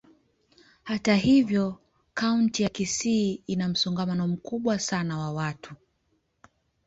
Hata hivyo, kaunti ya Kisii ina msongamano mkubwa sana wa watu.